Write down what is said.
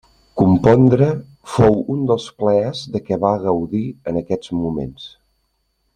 Compondre, fou un dels plaers de què va gaudir en aquests moments.